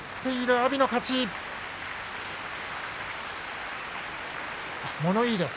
阿炎の勝ちです。